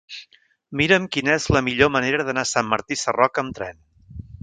Mira'm quina és la millor manera d'anar a Sant Martí Sarroca amb tren.